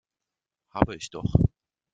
Habe ich doch!